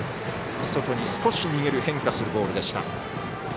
外に少し逃げる変化するボールでした。